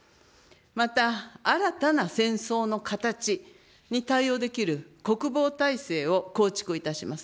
また新たな戦争の形に対応できる国防体制を構築いたします。